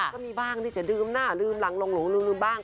ก็มีบ้างที่จะลืมหน้าลืมรังรงลุงหลุมบ้าง